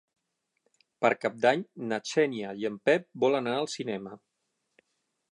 Per Cap d'Any na Xènia i en Pep volen anar al cinema.